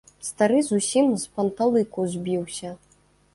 Стары зусім з панталыку збіўся.